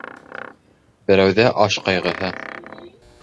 Берәүҙә аш ҡайғыһы